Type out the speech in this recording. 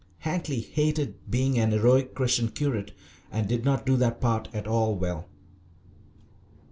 Hankly hated being an heroic Christian curate and did not do the part at all well.